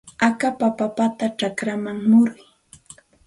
Akapa papata chakrachaw muruy.